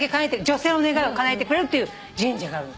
女性の願いをかなえてくれるっていう神社がある。